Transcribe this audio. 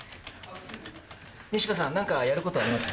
ニシノさん何かやることあります？